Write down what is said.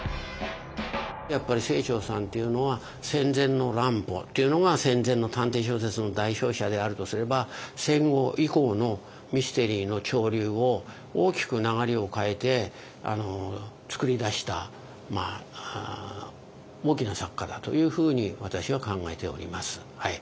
やっぱり清張さんっていうのは戦前の乱歩っていうのが戦前の探偵小説の代表者であるとすれば戦後以降のミステリーの潮流を大きく流れを変えて作り出した大きな作家だというふうに私は考えております。